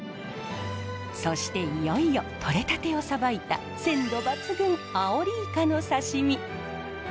そしていよいよとれたてをさばいた鮮度抜群アオリイカの刺身。